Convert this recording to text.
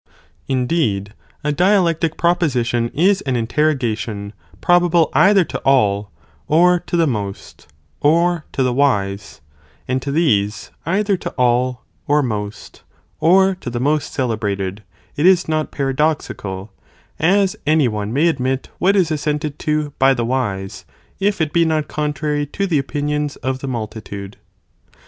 Indeed a dialectic proposition is an interroga tion, probable either to all, or to the most, or to the wise ; and to these, either to all or most, or to the most celebrated, it is not paradoxical, as any one may admit what is assented to by the rae wise, if it be not contrary to the opinions of the 95; Poet. ch.9 moultitude.